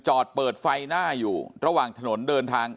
จอดเปิดไฟหน้าอยู่ระหว่างถนนเดินทาง